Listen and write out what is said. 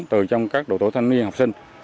từ trong các độ tuổi thành thiếu niên học sinh